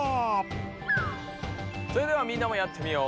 それではみんなもやってみよう。